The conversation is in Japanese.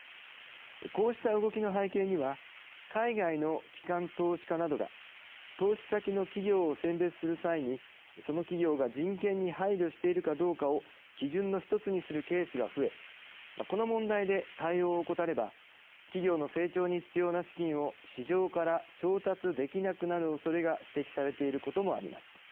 こうした動きの背景には海外の機関投資家などが投資先の企業を選別する際にその企業が人権に配慮しているかどうかを基準の一つにするケースが増えこの問題で対応を怠れば企業の成長に必要な資金を市場から調達できなくなるおそれが指摘されていることもあります。